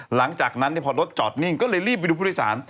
หลังจากนั้นพอรถจอดนิ่งก็เลยรีบไปดูผู้โดยสาร